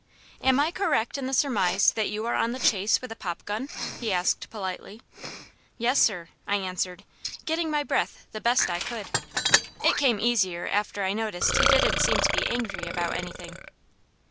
"Am I correct in the surmise that you are on the chase with a popgun?" he asked politely. "Yes sir," I answered, getting my breath the best I could. It came easier after I noticed he didn't seem to be angry about anything.